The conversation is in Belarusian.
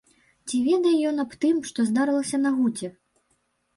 Ці ведае ён аб тым, што здарылася на гуце?